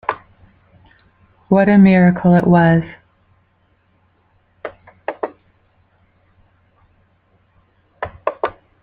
What a miracle it was!